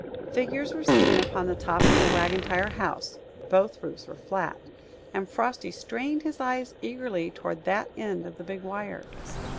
Figures were seen upon the top of the Wagon Tire House (both roofs were flat) and Frosty strained his eyes eagerly toward that end of the big wire.